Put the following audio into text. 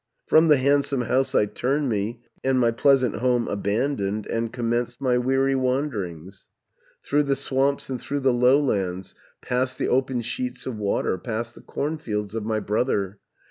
"From the handsome house I turned me, And my pleasant home abandoned, 750 And commenced my weary wanderings, Through the swamps and through the lowlands, Past the open sheets of water, Past the cornfields of my brother.